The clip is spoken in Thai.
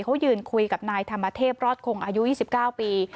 เขายืนคุยกับนายธรรมเทพรอดคงอายุ๒๙ปี